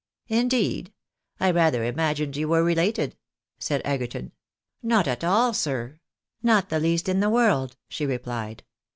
" Indeed ! I rather imagined you were related," said Egerton. " Not at all, sir ; not the least in the world," she replied.